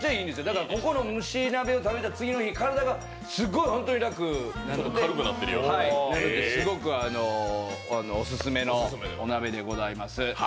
だからここの蒸し鍋を食べた次の日体がすごい本当に楽になるのですごくオススメのお鍋でございます。